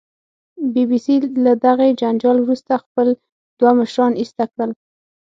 بي بي سي له دغې جنجال وروسته خپل دوه مشران ایسته کړل